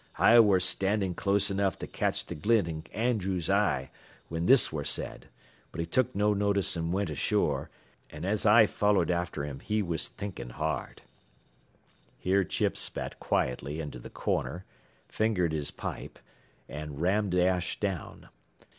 "I ware standin' close enough to catch th' glint in Andrews' eye whin this ware said, but he took no notice an' went ashore, an' as I followed after him he was thinkin' hard." Here Chips spat quietly into the corner, fingered his pipe, and rammed the ash down.